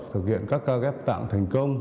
thực hiện các ca ghép tạng thành công